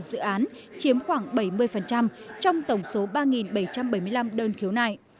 dự án chiếm khoảng bảy mươi trong tổng số ba bảy trăm bảy mươi năm đơn khiếu nại